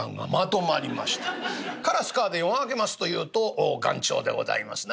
カラスカアで夜が明けますというと元朝でございますな。